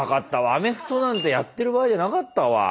アメフトなんてやってる場合じゃなかったわ。